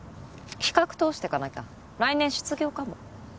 企画通してかなきゃ来年失業かも。